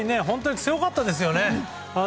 本当に強かったですよね。